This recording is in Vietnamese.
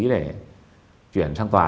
để chuyển sang tòa